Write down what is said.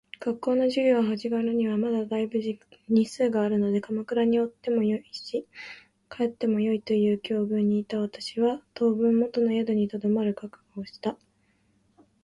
学校の授業が始まるにはまだ大分日数があるので鎌倉におってもよし、帰ってもよいという境遇にいた私は、当分元の宿に留まる覚悟をした。